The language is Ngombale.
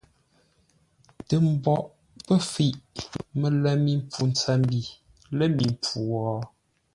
Tə mboʼ pə́ fəiʼ mələ mi mpfu ntsəmbi lə̂ mi mpfu wo?